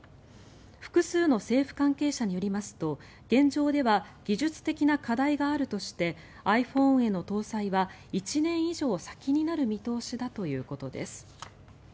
複数の政府関係者によりますと現状では技術的な課題があるとしてｉＰｈｏｎｅへの搭載は１年以上先になる見通しだということです。